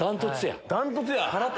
断トツや。